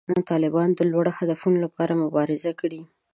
طالبانو د لوړو اهدافو لپاره مبارزه کړې.